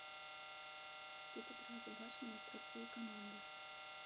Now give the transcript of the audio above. Тут адразу бачна, як працуе каманда.